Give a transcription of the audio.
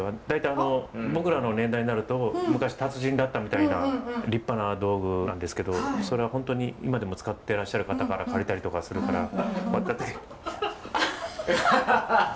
大体あの僕らの年代になると昔達人だったみたいな立派な道具なんですけどそれは本当に今でも使ってらっしゃる方から借りたりとかするからこうやっただけで。